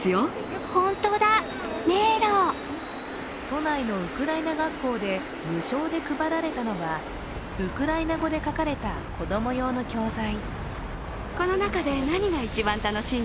都内のウクライナ学校で無償で配られたのはウクライナ語で書かれた子供用の教材。